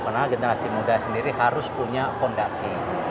karena generasi muda sendiri harus punya fondasi